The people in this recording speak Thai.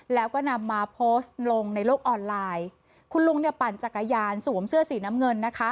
แล้วก็นำมาโพสต์ลงในโลกออนไลน์คุณลุงเนี่ยปั่นจักรยานสวมเสื้อสีน้ำเงินนะคะ